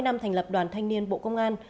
ba mươi năm thành lập đoàn thanh niên bộ công an